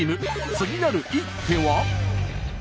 次なる一手は？